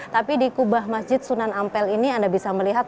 tapi di kubah masjid sunan ampel ini anda bisa melihat